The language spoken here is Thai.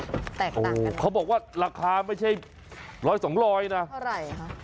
แตกต่างกันเขาบอกว่าราคาไม่ใช่ร้อยสองร้อยนะเท่าไหร่คะ